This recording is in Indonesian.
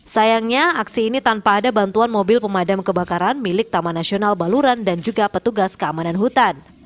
sayangnya aksi ini tanpa ada bantuan mobil pemadam kebakaran milik taman nasional baluran dan juga petugas keamanan hutan